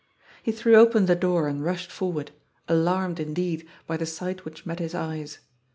He threw open the door and rushed forward, alarmed, indeed, by the sight which met his eyes.